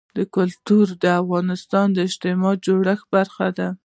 کلتور د افغانستان د اجتماعي جوړښت برخه ده.